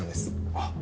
あっ